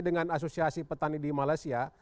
dengan asosiasi petani di malaysia